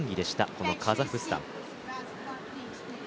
このカザフスタン。